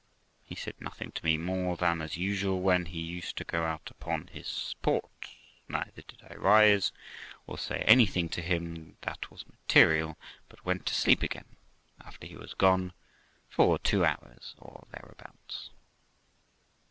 He said nothing to me more than as usual when he used to go out upon his sport; neither did I rise, or say anything to him that was material, but went to sleep again after he was gone, for two hours or thereabouts.